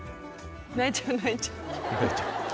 泣いちゃう泣いちゃう。